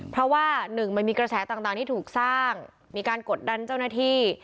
เพราะว่าหนึ่งมันมีกระแสต่างที่ถูกสร้างมีการกดดันเจ้าหน้าที่